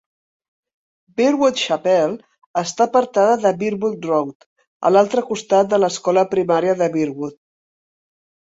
Bearwood Chapel està apartada de Bearwood Road, a l'altre costat de l'escola primària de Bearwood.